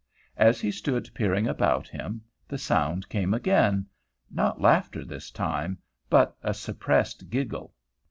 As he stood peering about him, the sound came again, not laughter this time, but a suppressed giggle.